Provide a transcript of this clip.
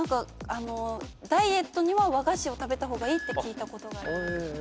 ダイエットには和菓子を食べた方がいいって聞いたことが。